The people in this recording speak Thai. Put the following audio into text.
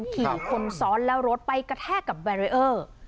ขี่คนซ้อนแล้วรถไปกระแทกกับแบรีเออร์